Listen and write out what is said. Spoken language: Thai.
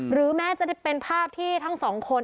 แม้จะเป็นภาพที่ทั้งสองคน